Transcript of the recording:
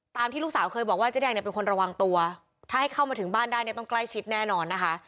ที่ลูกสาวเคยบอกว่าเจ๊แดงเนี่ยเป็นคนระวังตัวถ้าให้เข้ามาถึงบ้านได้เนี่ยต้องใกล้ชิดแน่นอนนะคะ